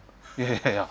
いやいや。